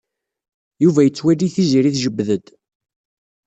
Yuba yettwali Tiziri tjebbed-d.